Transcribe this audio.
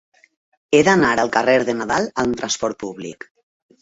He d'anar al carrer de Nadal amb trasport públic.